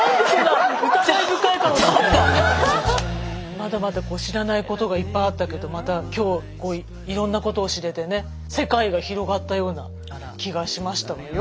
まだまだ知らないことがいっぱいあったけどまた今日いろんなことを知れてね世界が広がったような気がしましたわよ。